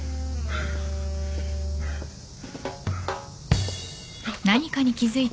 はい！